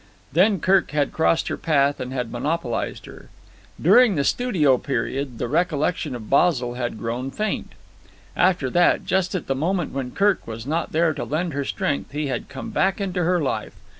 Then Kirk had crossed her path and had monopolized her. During the studio period the recollection of Basil had grown faint. After that, just at the moment when Kirk was not there to lend her strength, he had come back into her life.